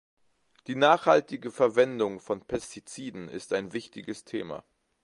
Die nachhaltige Verwendung von Pestiziden ist ein wichtiges Thema.